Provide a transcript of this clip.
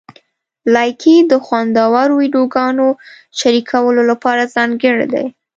لایکي د خوندورو ویډیوګانو شریکولو لپاره ځانګړی دی.